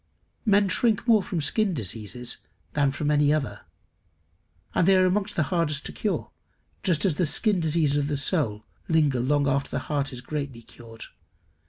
Men shrink more from skin diseases than from any other. [Footnote 2: And they are amongst the hardest to cure; just as the skin diseases of the soul linger long after the heart is greatly cured.